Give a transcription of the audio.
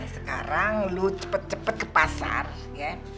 sekarang lu cepet cepet ke pasar ya